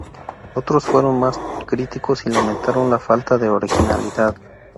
Otros fueron más críticos y lamentaron la falta de originalidad.